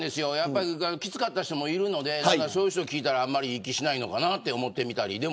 やっぱりきつかった人もいるのでなんかそういう人聞いたらあんまりいい気しないのかなって思ってみたり。